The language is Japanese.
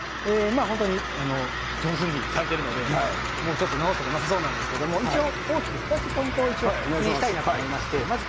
本当に上手にされているので直すところはなさそうなんですが大きく２つのポイントを気にしたいなと思います。